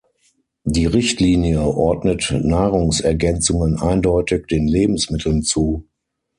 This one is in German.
Die Richtlinie ordnet Nahrungsergänzungen eindeutig den Lebensmitteln zu.